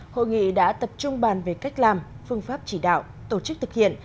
hội nghị đã tập trung bàn về cách làm phương pháp chỉ đạo tổ chức thực hiện